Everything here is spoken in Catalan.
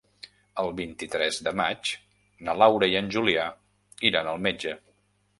El vint-i-tres de maig na Laura i en Julià iran al metge.